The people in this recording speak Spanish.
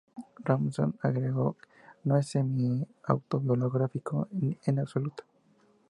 Ronson agregó, "no es semi-autobiográfico en absoluto".